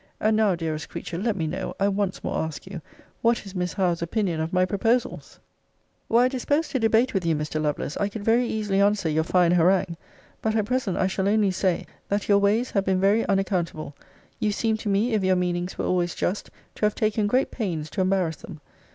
And now, dearest creature, let me know, I once more ask you, what is Miss Howe's opinion of my proposals? Were I disposed to debate with you, Mr. Lovelace, I could very easily answer your fine harangue. But at present, I shall only say, that your ways have been very unaccountable. You seem to me, if your meanings were always just, to have taken great pains to embarrass them.